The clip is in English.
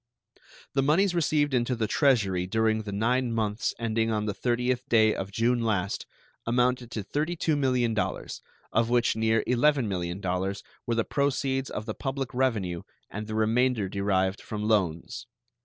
The moneys received into the Treasury during the nine months ending on the 30th day of June last amounted to $32 millions, of which near $11 millions were the proceeds of the public revenue and the remainder derived from loans.